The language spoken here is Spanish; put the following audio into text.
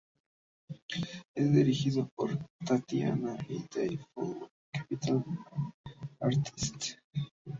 Es dirigió por Tatiana y Dave Fowler en Capital Artists.